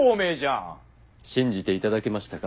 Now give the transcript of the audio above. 信じていただけましたか？